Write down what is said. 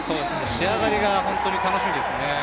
仕上がりが本当に楽しみですね。